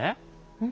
うん？